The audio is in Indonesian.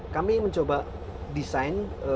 kami mencoba desain